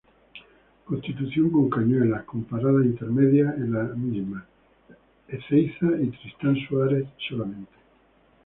Constitución con Cañuelas con paradas intermedias en la misma, Ezeiza y Tristan Suárez solamente.